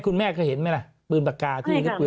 คุณแม่เคยเห็นไหมล่ะปืนปากกาที่ปืน